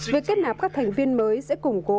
việc kết nạp các thành viên mới sẽ cùng quân